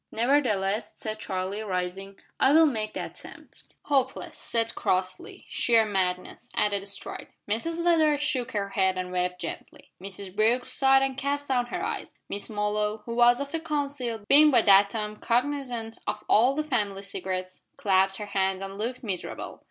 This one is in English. "Nevertheless," said Charlie, rising, "I will make the attempt." "Hopeless," said Crossley. "Sheer madness," added Stride. Mrs Leather shook her head and wept gently. Mrs Brooke sighed and cast down her eyes. Miss Molloy who was of the council, being by that time cognisant of all the family secrets clasped her hands and looked miserable.